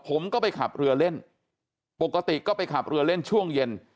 ผมก็ไปขับเรือเล่นปกติก็ไปขับเรือเล่นช่วงเย็น